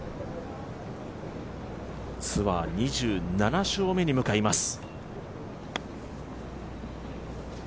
ツアー２７勝目に向かいます。